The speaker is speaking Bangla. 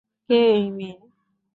কে এই মেয়ে?